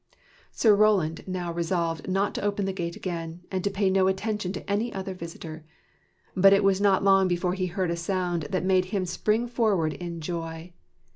Sir Roland now resolved not to open the gate again, and to pay no attention to any other visitor. But it was not long before he heard a sound that made him io THE KNIGHTS OF THE SILVER SHIELD spring forward in joy.